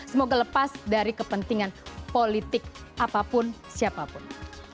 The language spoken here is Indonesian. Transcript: semoga lepas dari kepentingan politik apapun siapapun